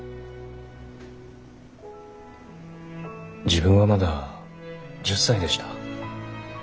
自分はまだ１０歳でした。